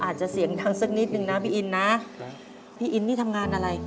อาจจะเสียงดังสักนิดนึงนะพี่อินนะพี่อินนี่ทำงานอะไร